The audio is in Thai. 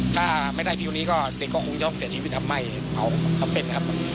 ถ้าไม่ได้ฟิวนี้เด็กก็คงจะต้องเสียชีวิตทำไหม้เผาทำเป็นครับ